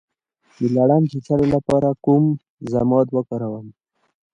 د لړم د چیچلو لپاره کوم ضماد وکاروم؟